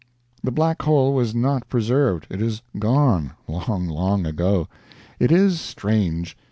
The Black Hole was not preserved; it is gone, long, long ago. It is strange.